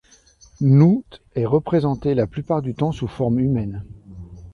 Nout est représentée la plupart du temps sous forme humaine.